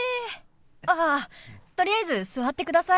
あっとりあえず座ってください。